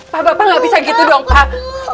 pak bapak nggak bisa gitu dong pak